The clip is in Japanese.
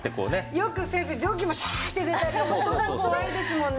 よく先生蒸気もシャーッて出たり音が怖いですもんね。